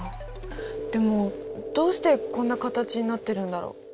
でもどうしてこんな形になってるんだろう。